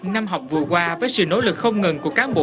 năm học vừa qua với sự nỗ lực không ngừng của cán bộ